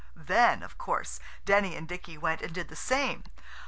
Then, of course, Denny and Dicky went and did the same.